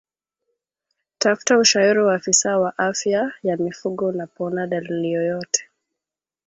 Tafuta ushauri wa afisa wa afya ya mifugo unapoona dalili yoyote